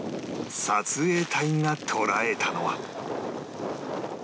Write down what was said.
撮影隊が捉えたのは